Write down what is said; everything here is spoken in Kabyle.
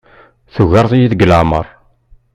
Tugareḍ-iyi deg leɛmeṛ.